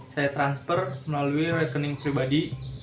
saya transfer melalui rekening pribadi